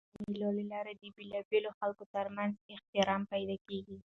د مېلو له لاري د بېلابېلو خلکو تر منځ احترام پیدا کېږي.